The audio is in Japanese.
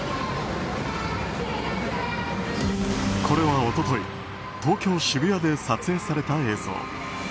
これは、一昨日東京・渋谷で撮影された映像。